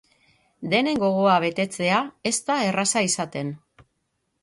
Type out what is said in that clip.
Denen gogoa betetzea ez da erraza izaten.